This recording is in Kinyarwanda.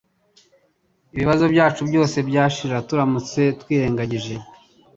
Ibibazo byacu byose byashira turamutse twirengagije.